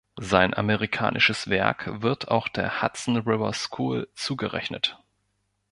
Sein amerikanisches Werk wird auch der Hudson River School zugerechnet.